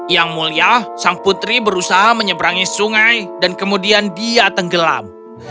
yang mulia sang putri berusaha menyeberangi sungai dan kemudian dia tenggelam